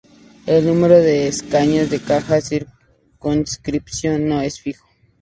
El número de escaños de cada circunscripción no es fijo.